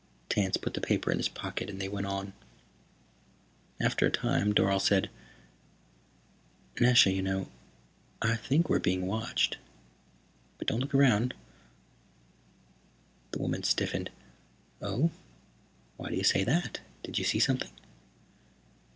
Tance put the paper in his pocket and they went on. After a time Dorle said, "Nasha, you know, I think we're being watched. But don't look around." The woman stiffened. "Oh? Why do you say that? Did you see something?"